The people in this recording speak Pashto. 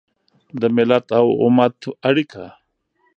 د ملت او امت اړیکه